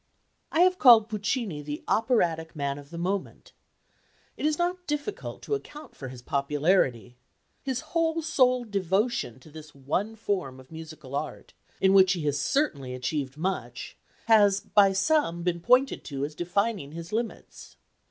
I have called Puccini the operatic man of the moment. It is not difficult to account for his popularity. His whole souled devotion to this one form of musical art, in which he has certainly achieved much, has by some been pointed to as defining his limits.